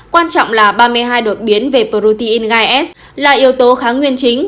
quan trọng là ba mươi hai đột biến về protein gai s là yếu tố kháng nguyên chính